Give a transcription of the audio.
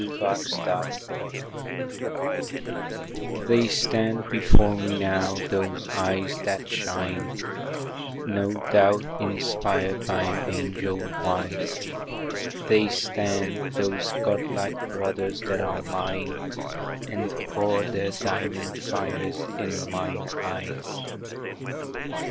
The Living Torch They stand before me now, those eyes that shine, No doubt inspired by an Angel wise; They stand, those God like brothers that are mine, And pour their diamond fires in mine eyes.